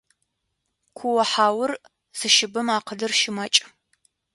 Куо-хьаур зыщыбэм акъылыр щымакӏ.